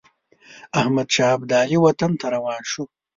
احمدشاه ابدالي وطن ته روان شو.